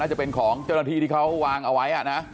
น่าจะเป็นของเจ้าหน้าที่วางเอาไว้